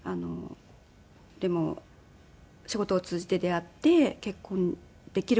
でも仕事を通じて出会って結婚できる事になって。